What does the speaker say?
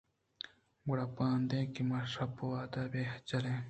’گُڑا بائدیں کہ من شپ ءَ ہمدا بہ جلاں